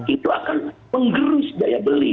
itu akan menggerus daya beli